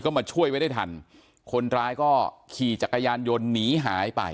ก็มาช่วยไว้ได้ทันคนร้ายก็ขี่จักรยานยนต์หนีหายไป